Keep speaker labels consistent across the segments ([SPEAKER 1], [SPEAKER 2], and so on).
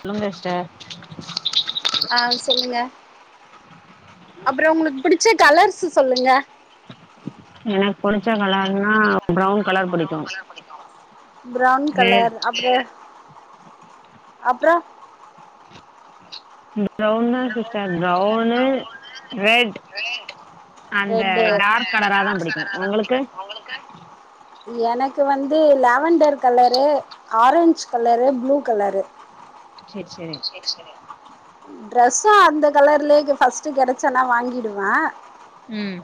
[SPEAKER 1] சொல்லுங்க சிஸ்டர்
[SPEAKER 2] ஆ சொல்லுங்க அப்றோம் உங்ளுக் புடிச்ச கலர்ஸு சொல்லுங்க
[SPEAKER 1] என்க் புடிச்ச கலர்னா ப்ரவுன் கலர் புடிக்
[SPEAKER 2] ப்ரவுன்
[SPEAKER 1] ஏ
[SPEAKER 2] கலர் அப்றோ அப்றோ
[SPEAKER 1] ப்ரவுன் தா சிஸ்டர் ப்ரவுனு ரெட்
[SPEAKER 2] ரேன்ட் அந்த இந்த
[SPEAKER 1] டார்க்
[SPEAKER 2] க
[SPEAKER 1] கலரா தா புடிக்கு
[SPEAKER 2] காரசாரதா அப்டி
[SPEAKER 1] உங்களுக்கு
[SPEAKER 2] உங்களுக்கு எனக்கு வந்து lavender colour orange colour blue colour
[SPEAKER 1] சேரி சேரி
[SPEAKER 2] சேரி சேரி ட்ரெஸ்ஸும் அந்த கலர்லயே ஃபர்ஸ்ட்டு கெடைச்சன்னா வாங்கிடுவ
[SPEAKER 1] ம்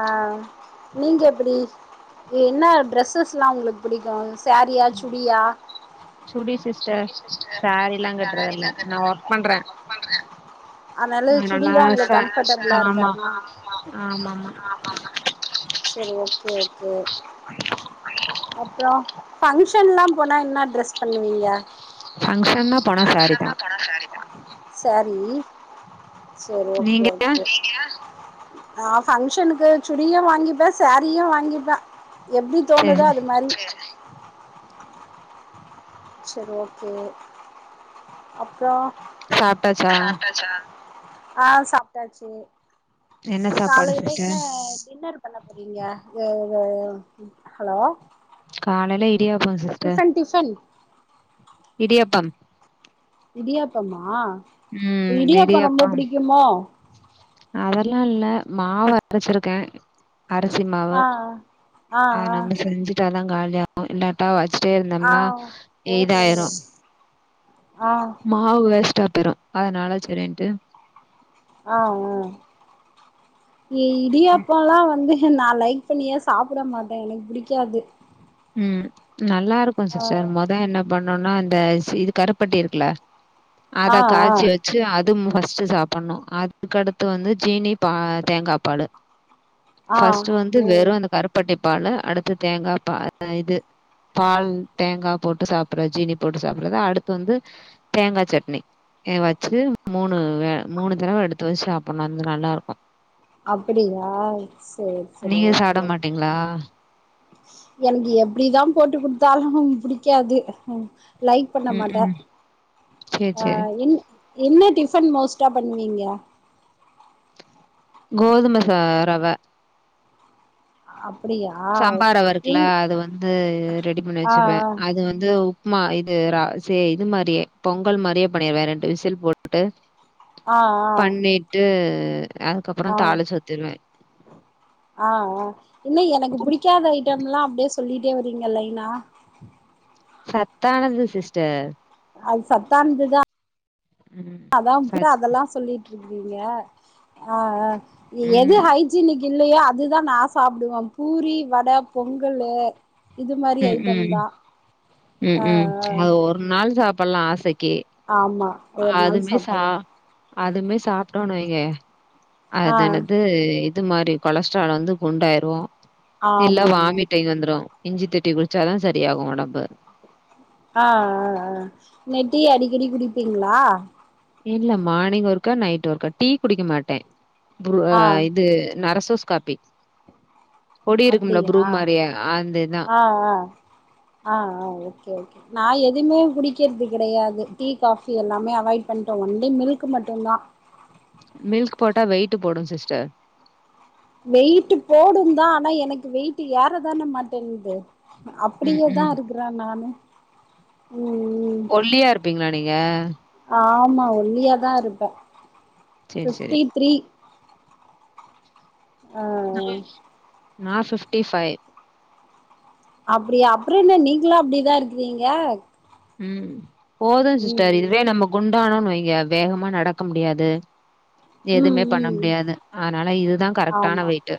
[SPEAKER 2] ஆ நீங்க எப்டி என்ன ட்ரெஸ்ஸஸ்லாம் உங்களுக்கு பிடிக்கும் சேரியா சுடியா
[SPEAKER 1] சுடி சிஸ்டர் சேரி
[SPEAKER 2] சேரிலாம் கட்டறதுல்ல நா ஒர்க் பண்றன் அதனால சுடிதா உங்களுக்கு கம்ஃபர்ட்டபிளா இருக்கா
[SPEAKER 1] ஆமா
[SPEAKER 2] அப்பனா ஆமா ஆமா சேரி ஓகே ஓகே அப்புறம் பங்க்ஷன்லாம் போனா என்ன ட்ரெஸ் பண்ணுவீங்க
[SPEAKER 1] பங்க்ஷனா
[SPEAKER 2] பங்ஷன்னா போனா சேரிதா சேரி செரி ஓகே
[SPEAKER 1] நீங்க
[SPEAKER 2] சரிங்க ஆ பங்கஷனுக்கு சுடியும் வாங்கிப்பே சேரியும் வாங்கிப்பே எப்டி தோணுதோ
[SPEAKER 1] சேரி
[SPEAKER 2] அது மாரி செரி ஓகே அப்புறம்
[SPEAKER 1] சாப்ட்டாச்சா
[SPEAKER 2] சாப்டாச்சா ஆ சாப்ட்டாச்சி
[SPEAKER 1] என்ன சாப்பாடு
[SPEAKER 2] காலையில என்ன
[SPEAKER 1] சிஸ்டர்
[SPEAKER 2] டின்னரு பண்ண போறீங்க ஹலோ
[SPEAKER 1] காலையில இடியாப்பம் சிஸ்டர்
[SPEAKER 2] டிஃபன்
[SPEAKER 1] இடியாப்பம்
[SPEAKER 2] இடியாப்பம்மா
[SPEAKER 1] ம்
[SPEAKER 2] இடியாப்ப ரொம்ப பிடிக்குமோ
[SPEAKER 1] அதெல்லா இல்ல மாவு அரைச்சிருக்கே அரிசிமாவு
[SPEAKER 2] ஆ
[SPEAKER 1] ஆ நம்ம செஞ்சிட்டாதா காலியா வும் இல்லாட்டா வச்சிட்டே
[SPEAKER 2] ஆ
[SPEAKER 1] இருந்தோம்னா
[SPEAKER 2] ஓஹோ
[SPEAKER 1] இதாயிரும்
[SPEAKER 2] ஆ
[SPEAKER 1] மாவு வேஸ்ட்டா போயிரு அதனால செரின்ட்டு
[SPEAKER 2] ஆ ஆ ஏ இடியாப்பல்லா வந்து நா லைக் பன்னியே சாப்ட மாட்டேன் எனக்கு புடிக்காது
[SPEAKER 1] ம் நல்லா இருக்கும்
[SPEAKER 2] ஆ
[SPEAKER 1] சிஸ்டர் மொத என்ன பண் ணணுன்னா அந்த இது கருப்பட்டி இருக்குல
[SPEAKER 2] ஆ
[SPEAKER 1] அத காச்சி வச் சி அதும் ஃபஸ்ட்டு சாப்பணும் அதுக்கடுத்து வந்து சீனி பா தேங்கா பாலு
[SPEAKER 2] ஆ ஆ
[SPEAKER 1] பஸ்ட்டு வந்து
[SPEAKER 2] ஓ
[SPEAKER 1] வெறும் அந்த கருப்பட்டி பால்ல அடுத்து தேங்கா பால் இது பால் தேங்கா போட்டு சாப்பற ஜீனி போட்டு சாப்படறத அடுத்து வந்து தேங்கா சட்னி இது வச்சி மூணு வே மூணு தடவ எடுத்து வச்சி சாப்பணும் அது நல்லா இருக்கும்
[SPEAKER 2] அப்டியா செரி செரி
[SPEAKER 1] நீங்க
[SPEAKER 2] ஓகே
[SPEAKER 1] சாப்ட
[SPEAKER 2] ஓகே
[SPEAKER 1] மாட்டீங்களா
[SPEAKER 2] எனக்கு எப்டிதான் போட்டு குடுத்தாலும் புடிக்காது ம் லைக் பண்ண
[SPEAKER 1] ம்
[SPEAKER 2] மாட்டே
[SPEAKER 1] ம் சேரி
[SPEAKER 2] ஆ
[SPEAKER 1] சேரி
[SPEAKER 2] என் என்ன டிஃபன் மோஸ்ட்டா பண்ணுவீங்க
[SPEAKER 1] கோதுமை ச ரவ
[SPEAKER 2] அப்படியா
[SPEAKER 1] சாம்பா ரவ இருக்குல
[SPEAKER 2] என்
[SPEAKER 1] அது வந்து ரெடி பண்ணி
[SPEAKER 2] ஆ
[SPEAKER 1] வெச்சுப்பே அது வந்து மா இது ர சே இது மாரியே பொங்கல் மாரியே பண்ணிருவே ரெண்டு விசில் போட்டுட்டு
[SPEAKER 2] ஆ ஆ
[SPEAKER 1] பண்ணிட்டு அதுக்கப்றோ தாலுச்சு ஊத்திருவே
[SPEAKER 2] அ அ என்ன எனக்கு பிடிக்காத ஐட்டம் எல்லா அப்டியே சொல்லிட்டே வரீங்க லைனா
[SPEAKER 1] சத்தானது சிஸ்டர்
[SPEAKER 2] அது சத்தானதுதா
[SPEAKER 1] ம்
[SPEAKER 2] அதா [inaudible]
[SPEAKER 1] சத்
[SPEAKER 2] அதெல்லா சொல்லி ட்ருக்கீங்க அ அ எது
[SPEAKER 1] ம்
[SPEAKER 2] ஹை ஜீனிக் இல்லயோ அதுதா நா சாப்பிடுவே பூரி வட பொங்கலு இது மாரி
[SPEAKER 1] ம்
[SPEAKER 2] ஐட்டம்
[SPEAKER 1] ம்
[SPEAKER 2] தா அ அ
[SPEAKER 1] ன் நாள் சாப்பட்லா ஆசைக்கி
[SPEAKER 2] ஆமா ஒரு நாள்
[SPEAKER 1] அதுமே சா
[SPEAKER 2] சாப்பட்லா
[SPEAKER 1] அதுமே சாப்டோணு வைங்க
[SPEAKER 2] ஆ
[SPEAKER 1] அது என்னது அது மாரி கொலஸ்ட்ரால் வந்து குண்டாயிரவோ இல்ல
[SPEAKER 2] ஆமா ஆமா
[SPEAKER 1] வாமிட்டிங் வந்துரு இஞ்சி தட் டீ குடிச்சாதா சரியாகு ஒடம்பு
[SPEAKER 2] அ அ அ என்ன டீ அடிக்கடி குடிப்பீங்ளா
[SPEAKER 1] இல்ல மார்னிங் ஒருக்கா நைட் ஒருக்கா டீ குடிக்க மாட்டே ப்ரூ அ
[SPEAKER 2] ஆ
[SPEAKER 1] இது நரசூஸ் காஃபி
[SPEAKER 2] அப்டியா
[SPEAKER 1] மாரி அந்த இதான்.
[SPEAKER 2] ஆ ஆ ஆ ஆ ஓகே ஓகே நா எதுமே குடிக்குறது கெடயாது டீ காஃபி எல்லாமே அவாய்ட் பண்ட்டே ஒன்லி மில்க் மட்டுந்தா
[SPEAKER 1] மில்க் போட்டா வெயிட்டு போடு சிஸ்டர்
[SPEAKER 2] வெயிட்டு போடுந்தா ஆனா எனக்கு வெயிட்டு் ஏற தான மாட்டேங்து
[SPEAKER 1] ம்,
[SPEAKER 2] அப்டியே தா
[SPEAKER 1] ம்.
[SPEAKER 2] இருக்ற நானு ம் ம்
[SPEAKER 1] ஒல்லியா இருப்பீங்களா நீங்க
[SPEAKER 2] ஆமா ஒல்லியாதா இருப்பே
[SPEAKER 1] சரி, சரி.
[SPEAKER 2] ஃபிஃப்டி த்ரீ ஆ
[SPEAKER 1] மகிழ்ச்சி நா ஃபிஃப்டி ஃபை
[SPEAKER 2] அப்டியா அப்ற என்ன நீங்களு அப்டிதா இருக்குறீங்க
[SPEAKER 1] ம் போது சிஸ்டர்
[SPEAKER 2] ம்
[SPEAKER 1] இதுவே நம்ம குண்டானோன்னு வைங்க வேகமா நடக்க முடியாது
[SPEAKER 2] ம்
[SPEAKER 1] எதுமே
[SPEAKER 2] ம்
[SPEAKER 1] பண்ண
[SPEAKER 2] ம்
[SPEAKER 1] முடியாது அதனால இதுதா கரெக்டான
[SPEAKER 2] ஆமா
[SPEAKER 1] வெயிட்டு்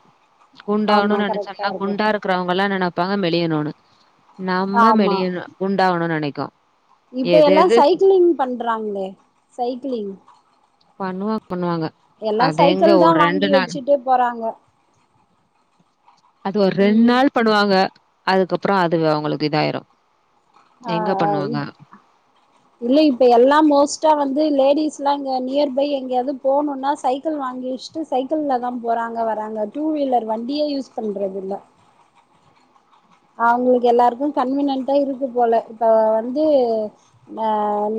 [SPEAKER 2] ஆமா
[SPEAKER 1] குண்டாவுனுன்
[SPEAKER 2] கரெக்டா
[SPEAKER 1] நெனச்சம்னா
[SPEAKER 2] இருக்கு
[SPEAKER 1] குண்டா இருக் கறவங்கல்லா என்ன நெனப்பாங்க மெளியணுன் நம்ம
[SPEAKER 2] ஆமா
[SPEAKER 1] மெளியணு குண்டாவணுன் நினைக்கோ
[SPEAKER 2] இப்ப எல்லா சைக்கிளிங் பண்றாங்களே சைக்கிளிங்
[SPEAKER 1] பண்ணுவாங்க பண்ணுவாங்க
[SPEAKER 2] எல்லா
[SPEAKER 1] அது எங்க
[SPEAKER 2] சைக்கிள் தா
[SPEAKER 1] ஒரு ரெண்டு
[SPEAKER 2] வாங்கி
[SPEAKER 1] நாள்
[SPEAKER 2] வெச்சுட்டு போறாங்க
[SPEAKER 1] அது ஒரு ரெண்
[SPEAKER 2] ம்
[SPEAKER 1] நாள் பண்ணுவாங்க அதுக்கப்றோ அது அவுங்களுக்கு இதாயிரு
[SPEAKER 2] அ
[SPEAKER 1] எங்க
[SPEAKER 2] அ
[SPEAKER 1] பண்ணுவாங்க
[SPEAKER 2] இப் இல்ல இப்ப எல்லா மோஸ்ட்டா வந்து லேடிஸ்ல்லா இங்க நியர் பை எங்கியாது போணுனா சைக்கிள் வாங்கி வெச்சுட்டு சைக்கிள்ல தா போறாங்க வராங்க டூ வீலர் வண்டியே யூஸ் பண்ணுறது இல்ல அவுங்களுக்கு எல்லாருக்கு கன்வீனியன்ட்டா இருக்கு போல இப்போ வந்து அ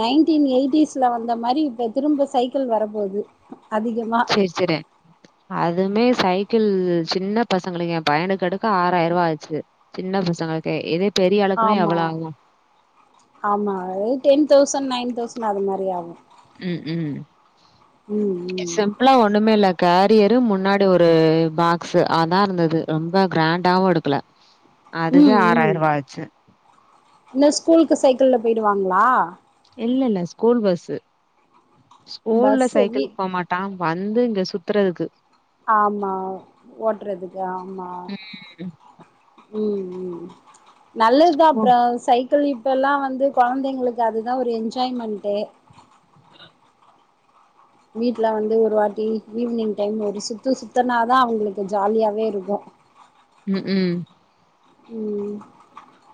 [SPEAKER 2] நைன்டீன் எயிட்டிஸ்ல வந்த மாரி இப்ப திரும்ப சைக்கிள் வர போது அதிகமா
[SPEAKER 1] [unintelligible] அதுமே சைக்கிள் சின்ன பசங்களுக்கு எ பையனுக்கு எடுக்க ஆறாயிருவா ஆச்சு சின்ன பசங்களுக்கே இது
[SPEAKER 2] ஆமா ஆமா அது டென் தௌசண்ட் நைன் தௌசண்ட் அது மாரி ஆகு
[SPEAKER 1] ம் ம்
[SPEAKER 2] ம் ம்
[SPEAKER 1] சிம்பிளா ஒண்ணுமே இல்ல கேரியரு முன்னாடி ஒரு பாக்ஸ்சு அதா இருந்தது ரொம்ப கிராண்டாவு எடுக்கல
[SPEAKER 2] [inaudible]
[SPEAKER 1] அதுவே
[SPEAKER 2] ம் ம்
[SPEAKER 1] ஆறாயிரூவா ஆச்சு
[SPEAKER 2] இல்ல ஸ்கூலுக்கு சைக்கிள்ல போயிடுவாங்களா
[SPEAKER 1] இல்ல இல்ல ஸ்கூல் பஸ்சு ஸ்கூல்ல
[SPEAKER 2] பஸ்ஸு வீ
[SPEAKER 1] சைக்கில் போ மாட் டா வந்து இங்க சுத்துறதுக்கு
[SPEAKER 2] ஆமா ஓட்டுறதுக்கு ஆமா ம் ம் நல்லதுதா
[SPEAKER 1] ம்
[SPEAKER 2] ப்ர சை க்கிள் இப்போல்லா வந்து குழந்தைங்களுக்கு அதுதா ஒரு என்ஜாய்மெண்ட்டு வீட்ல வந்து ஒரு வாட்டி ஈவினிங் டைம் ஒரு சுத்து சுத்துனாதா அவங்களுக்கு ஜாலியாவே இருக்கு
[SPEAKER 1] ம் ம்
[SPEAKER 2] ம்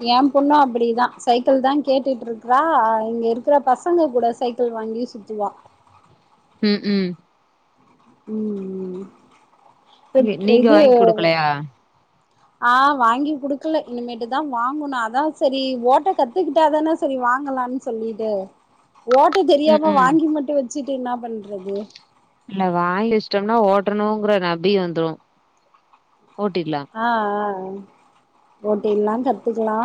[SPEAKER 2] ஏ பொண்ணு அப்டிதா சைக்கிள் தா கேட்டுட்டுருக்றா இங்க இருக்கிற பசங்க கூட சைக் க்கிள் வாங்கி சுத்துவா
[SPEAKER 1] ம் ம்
[SPEAKER 2] ம் ம் எக்
[SPEAKER 1] நீங்க
[SPEAKER 2] இது
[SPEAKER 1] வாங்கி குடுக்கலையா
[SPEAKER 2] ஆ வாங்கி குடுக்கல இனிமேட்டு தா வாங்கனு அதா சேரி ஓட்ட கத்துக்கிட்டாதானே சேரி வாங்கலான் சொல்லிட்டு ஓட்ட
[SPEAKER 1] ம்
[SPEAKER 2] தெரியாம
[SPEAKER 1] ம்
[SPEAKER 2] வாங்கி மட்டு வச்சுட்டு என்ன பண்றது
[SPEAKER 1] இல்ல வாயில வச்சுடம்னா ஓட்டணுங்குற நபி வந்துரு ஓட்டிக்கிலா
[SPEAKER 2] ஆ ஆ ஆ ஓட்டிர்ல்லா கத்துக்கலா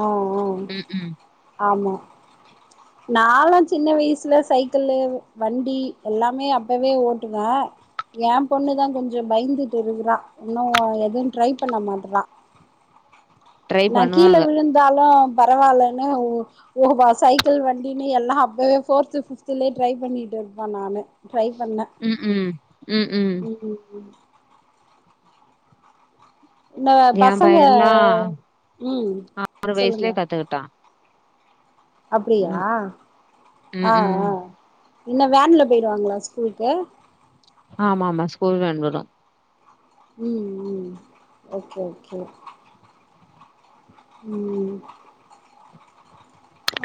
[SPEAKER 2] ஆ ஆ
[SPEAKER 1] ம் ம்
[SPEAKER 2] ஆமா நாலா சின்ன வயசுல சைக்கிள்லே வண்டி எல்லாமே அப்பவே ஓட்டுவ எ பொண்ணுதா கொஞ்சோ பயந்துட்டு இருக்குற இன்னும் ஏ எதையுட்ரை பண்ண மாடரா
[SPEAKER 1] ட்ரை
[SPEAKER 2] நா கீழ
[SPEAKER 1] பண்ணுவாங்க
[SPEAKER 2] விழுந் தாலும் பரவாயில்ன்னு வு ஓவா சைக்கிள் வண்டின்னு எல்லா அப்பவே போர்து பிப்துலேயே ட்ரை பண்ணிட்டு இருப்பே நானு ட்ரை பண்ண
[SPEAKER 1] ம் ம்
[SPEAKER 2] ம் ம் ம் நா
[SPEAKER 1] ஏ
[SPEAKER 2] பசங்க
[SPEAKER 1] பையன்லா
[SPEAKER 2] ம் சொல்லுங்க
[SPEAKER 1] த்துட்டா
[SPEAKER 2] அப்டியா
[SPEAKER 1] ம்
[SPEAKER 2] ஆ
[SPEAKER 1] ம்
[SPEAKER 2] ஆ இன்ன வேன்ல போயிடுவாங்களா ஸ்கூலுக்கு
[SPEAKER 1] ஆமாமா ஸ்கூல் வோண் வரு
[SPEAKER 2] ம் ம் ஓகே ஓகே ம்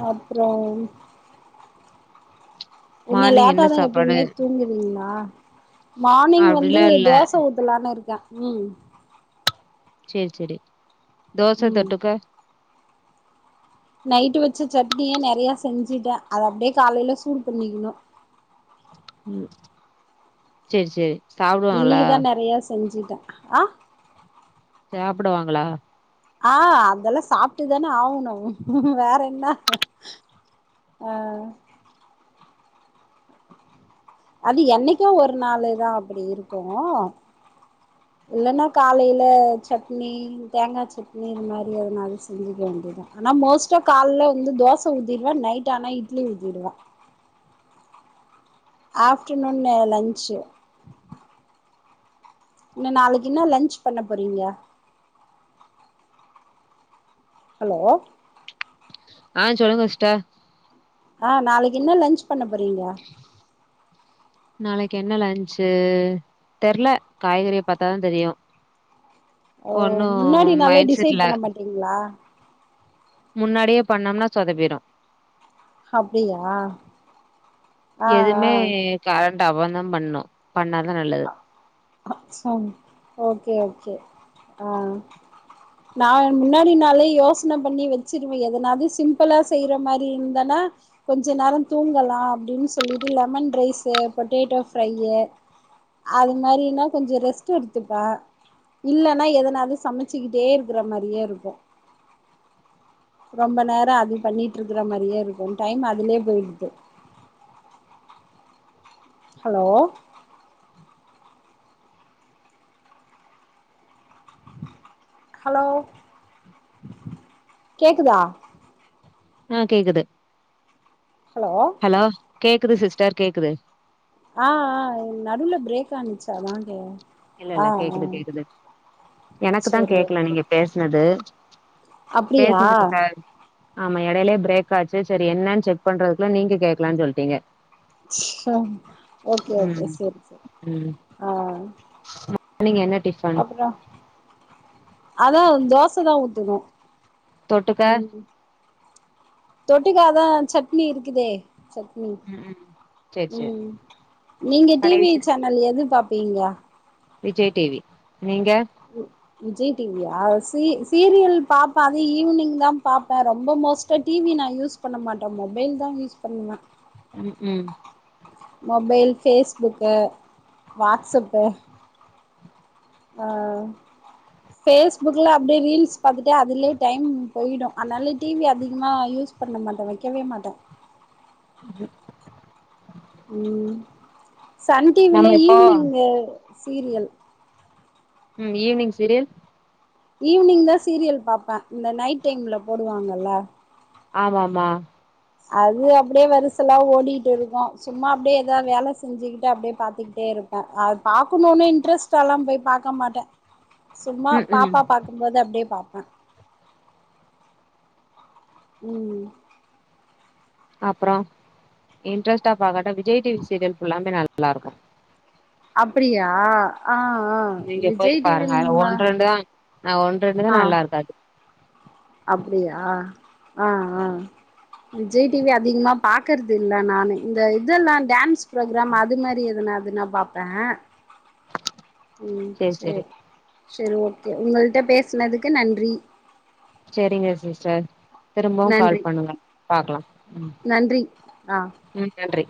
[SPEAKER 2] அப்பறம் ஒன்னு
[SPEAKER 1] மார்னிங்
[SPEAKER 2] லேட்டா
[SPEAKER 1] என்ன
[SPEAKER 2] தா
[SPEAKER 1] சாப்பாடு
[SPEAKER 2] எப்பயுமே தூங்குவீங்களா மார்னிங் வந்து
[SPEAKER 1] அப்டிலா இல்ல
[SPEAKER 2] தோச உ த்தலான்னு இருக்கே
[SPEAKER 1] சேர் செரி தோச
[SPEAKER 2] ம்
[SPEAKER 1] தொட்டுக்கா
[SPEAKER 2] நைட்டு வச்ச சட்னியே நெறைய செஞ்சுட்ட அத அப்டியே காலையில சூடு பண்ணிக்கணு
[SPEAKER 1] ம் சேர் செரி
[SPEAKER 2] இன்னக்குதா நறையா செஞ்சுட்ட ஆ
[SPEAKER 1] சாப்டுவாங்களா
[SPEAKER 2] ஆ அதெல்லா சாப்ட்டுதான ஆவணு வேற என்ன ஆ அது என்னைக்கோ ஒரு நாளு தா அப்டி இருக்கு இல்லன்னா காலைல‌ சட்னி தேங்கா சட்னி இது மாரி எதுனாது செஞ்சுக்க வேண்டிதா ஆனா மோஸ்ட்டா கால்ல வந்து தோச ஊதிடுவ நைட் ஆனா இட்லி ஊதிடுவ ஆஃப்டர்னுன்ன லன்சு என்ன நாளைக்கு என்ன லஞ்ச் பண்ண போறீங்கா ஹலோ
[SPEAKER 1] ஆ சொல்லுங்க சிஸ்டர்
[SPEAKER 2] ஆ நாளைக் என்ன லன்ச் பண்ண போறீங்க
[SPEAKER 1] நாளைக் என்ன லன்சு தெர்ல காய்கறிய பாத்தாதா தெரியு
[SPEAKER 2] ஓ
[SPEAKER 1] ஒன்னு
[SPEAKER 2] முன்னாடி நாலே
[SPEAKER 1] மைண்ட்
[SPEAKER 2] டிசைட்
[SPEAKER 1] செட்ல
[SPEAKER 2] பண்ண மாட்டீங்களா
[SPEAKER 1] முன்னாடியே பண்ணம்னா சொதப்பிடு
[SPEAKER 2] அப்டியா ஆ
[SPEAKER 1] எதுமே கரண்ட் அவன் தா பண்ணு பண்ணாதா நல்ல
[SPEAKER 2] அ சவுண்ட் ஓகே ஓகே ஆ நா முன்னாடி நாளே யோசன பண்ணி வச்சிடுவே எதனாது சிம்பிளா செய்ற மாரி இருந்தன்னா கொஞ்ச நேர தூங்கலா அப்டின் சொல்லிட்டு லெமன் ரைஸு பொட்டேட்டோ ஃப்ரையி அது மாரினா கொஞ்ச ரெஸ்ட் எடுத்துப்ப இல்லன்னா எதனாது சமச்சுக்கிட்டே இருக்குற மாரியே இருக்கு ரொம்ப நேர அது பண்ணிட்ருக்குற மாரியே இருக்கு டைம் அதுலே போயிடுது ஹலோ ஹலோ கேக்குதா
[SPEAKER 1] ஆ கேக்குது
[SPEAKER 2] ஹலோ
[SPEAKER 1] ஹலோ கேக்குது சிஸ்டர் கேக்குது
[SPEAKER 2] ஆ ஆ நடுல பிரேக் ஆனுச்சு அதா கே
[SPEAKER 1] இல்ல
[SPEAKER 2] ஆ
[SPEAKER 1] இல்ல
[SPEAKER 2] ஆ
[SPEAKER 1] கேக்குது கேக்குது எனக்கு தா
[SPEAKER 2] சேரி
[SPEAKER 1] கேக்கல
[SPEAKER 2] ஓகே
[SPEAKER 1] நீங்க பேசுனது
[SPEAKER 2] அப்டியா
[SPEAKER 1] பேசுனது சார் ஆமா எடைலயே பிரரேக் ஆச்சு செரி என்னன் செக் பண்றதுக்குள்ள நீங்க கேட்கலான் சொல்ட்டீங்க
[SPEAKER 2] ஓகே
[SPEAKER 1] ம்
[SPEAKER 2] ஓகே செரி செரி
[SPEAKER 1] ம்
[SPEAKER 2] ஆ
[SPEAKER 1] நீங்க என்ன டிஃபன்
[SPEAKER 2] அப்றோ அதா தோச தா ஊத்தணு
[SPEAKER 1] தொட்டுக்க
[SPEAKER 2] ம் தொட்டுக்க அதா சட்னி இருக்குதே சட்னி
[SPEAKER 1] ம் ம் சேரி சேரி
[SPEAKER 2] ம் நீங்க டி
[SPEAKER 1] பழைய
[SPEAKER 2] வி
[SPEAKER 1] சி
[SPEAKER 2] சன் னல் எது பாப்பீங்க
[SPEAKER 1] விஜய் டி வி நீங்க
[SPEAKER 2] ம் விஜய் டி வியா சீ சீரியல் பாப்ப அது ஈவ்னிங் தா பாப்ப ரொம்ப மோஸ்ட்டா டி வி நா யூஸ் பண்ண மாட்ட மொபைல் தா யூஸ் பண்ணுவ
[SPEAKER 1] ம் ம்
[SPEAKER 2] மொபைல் ஃபேஸ்புக்கு வாட்ஸப்பு ஆ ஃபேஸ்புக்ல அப்டியே ரீல்ஸ் பாத்துட்டு அதுலே டைம் பொய்டு அதனால டி வி அதிகமா யூஸ் பண்ண மாட்டே வைக்கவே மாட்டே
[SPEAKER 1] ம்
[SPEAKER 2] ம் சன் டி வில
[SPEAKER 1] நம்ம இப்போ
[SPEAKER 2] ஈவ்னிங்கு சீரியல்
[SPEAKER 1] ம் ஈவ்னிங் சீரியல்
[SPEAKER 2] ஈவ்னிங் தா சீரியல் பாப்ப இந்த நைட் டைம்ல போடுவாங்கல்ல
[SPEAKER 1] ஆமாமா
[SPEAKER 2] அது அப்டே வரிசலா ஓடிட்டு இருக்கு சும்மா அப்டே எதா வேல செஞ்சுக்கிட்டு அப்டியே பாத்துக்கிட்டே இருப் பே அது பாக்குணுனு இன்ட்ரெஸ்ட்டெல்லா போய் பாக்கமாட்டே சும்மா
[SPEAKER 1] ம் ம்
[SPEAKER 2] பாப்பா பாக் கும் போது அப்டியே பாப்பே ம்
[SPEAKER 1] அப்றோ இன்ட்ரெஸ்ட்டா பாக்காட்டா விஜய் டி வி சீரியல் ஃபுல்லாமே நல்லாருக்கு
[SPEAKER 2] அப்டியா ஆ ஆ
[SPEAKER 1] நீங்க போய்
[SPEAKER 2] விஜய் டி வி
[SPEAKER 1] பாருங்க அதுல
[SPEAKER 2] ம்ம
[SPEAKER 1] ஒன்னு ரெண்டு தா ஆ ஒன்னு ரெண்டு தா
[SPEAKER 2] ஆ
[SPEAKER 1] நல்லா இருக்காது
[SPEAKER 2] அப்டியா ஆ ஆ விஜய் டி வி அதிகமா பாக்றது இல்ல நானு இந்த இதெல்லா டான்ஸ் ப்ரோக்ராம் அது மாரி எதனாதுனா பாப்பே ம்
[SPEAKER 1] சேரி சேரி
[SPEAKER 2] சேர் சேர் ஓகே உங்கள்ட்ட பேசுனதுக்கு நன்றி
[SPEAKER 1] சேரிங்க சிஸ்டர் திரும்பவு கால்
[SPEAKER 2] நன்றி
[SPEAKER 1] பண்ணுங்க பாக்லா
[SPEAKER 2] நன்றி ஆ
[SPEAKER 1] நன்றி